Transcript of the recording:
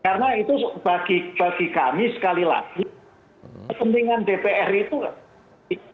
karena itu bagi kami sekali lagi kepentingan dpr itu